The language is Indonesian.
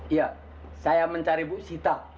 iya saya mencari bu sita